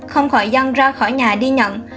không khỏi dân ra khỏi nhà đi nhận